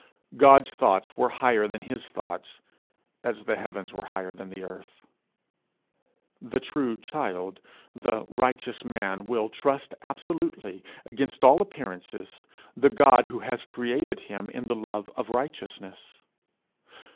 God's thoughts were higher than his thoughts, as the heavens were higher than the earth! The true child, the righteous man, will trust absolutely, against all appearances, the God who has created in him the love of righteousness.